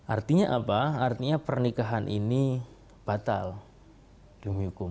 artinya apa artinya pernikahan ini batal demi hukum